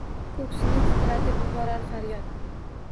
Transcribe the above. Ko’ksini titratib yuborar faryod.